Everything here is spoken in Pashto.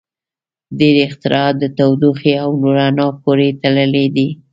• ډیری اختراعات د تودوخې او رڼا پورې تړلي دي.